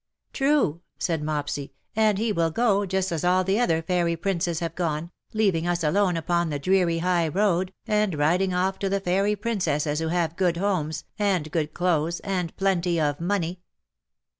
''" True/' said Mopsy ;" and he will go Just as all the other fairy princes have gone, leaving us alone upon the dreary high road, and riding off to the fairy princesses who have good homes, and good clothes, and plenty of money."